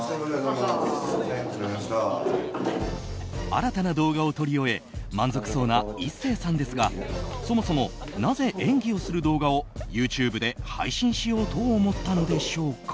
新たな動画を撮り終え満足そうな壱成さんですがそもそもなぜ演技をする動画をＹｏｕＴｕｂｅで配信しようと思ったんでしょうか。